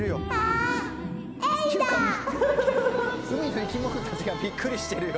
「海の生き物たちがびっくりしてるよ」